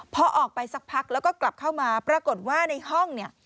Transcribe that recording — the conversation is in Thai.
พอออกไปสักพักแล้วก็กลับเข้ามาปรากฏว่าในห้องเนี่ย